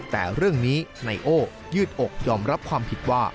แต่เรื่องนี้ไนโอ้ยืดอกยอมรับความผิดว่า